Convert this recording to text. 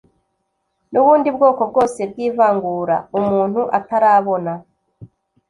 n’ubundi bwoko bwose bw’ivangura umuntu atarabona